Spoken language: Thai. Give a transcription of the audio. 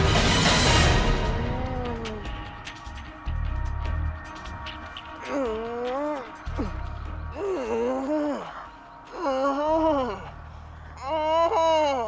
เออ